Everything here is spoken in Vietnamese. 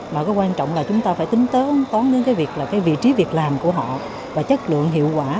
mà cái quan trọng là chúng ta phải tính tớn tón đến cái việc là cái vị trí việc làm của họ và chất lượng hiệu quả